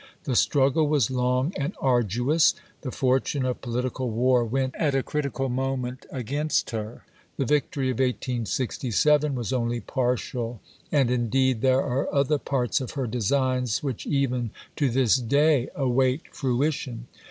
The struggle was long and arduous; the fortune of political war went at a critical moment against her; the victory of 1867 was only partial, and indeed there are other parts of her designs which even to this day await fruition.